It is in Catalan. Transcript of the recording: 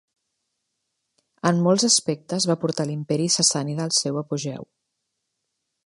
En molts aspectes, va portar l'Imperi sassànida al seu apogeu.